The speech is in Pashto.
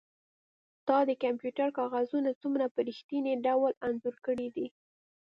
تا د کمپیوټر کاغذونه څومره په ریښتیني ډول انځور کړي دي